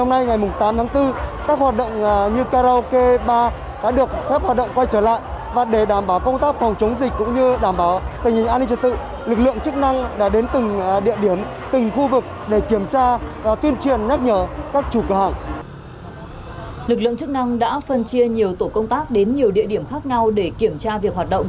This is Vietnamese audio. lực lượng chức năng đã phân chia nhiều tổ công tác đến nhiều địa điểm khác nhau để kiểm tra việc hoạt động